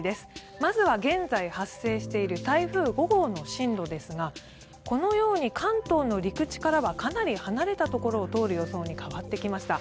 まずは現在、発生している台風５号の進路ですがこのように関東の陸地からはかなり離れたところを通る予想に変わってきました。